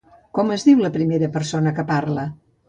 Com es diu la primera persona que parla?